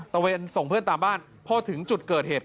เวนส่งเพื่อนตามบ้านพอถึงจุดเกิดเหตุ